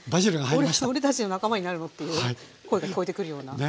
俺たちの仲間になるの？っていう声が聞こえてくるような。